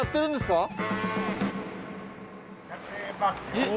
えっ！